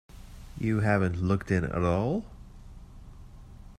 You haven't looked in at all?